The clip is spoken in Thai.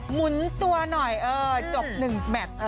หมุนตัวหน่อยจบหนึ่งแมตต์